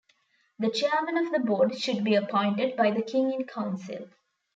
The Chairman of the board should be appointed by the King in Council.